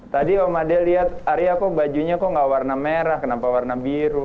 tadi om ade lihat arya kok bajunya kok gak warna merah kenapa warna biru